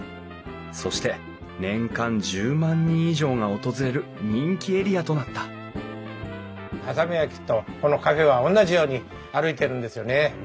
そして年間１０万人以上が訪れる人気エリアとなった波佐見焼とこのカフェは同じように歩いてるんですよね。